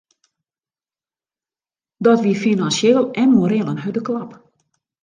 Dat wie finansjeel en moreel in hurde klap.